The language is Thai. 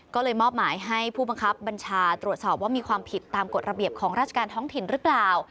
ก็เลยมอบหมายให้ผู้บังคับบัญชาตรวจสอบว่ามีความผิดตามกฎระเบียบของราชการท้องถิ่นหรือเปล่า